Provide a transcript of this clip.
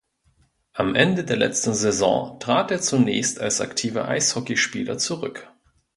Am Ende der letzten Saison trat er zunächst als aktiver Eishockeyspieler zurück.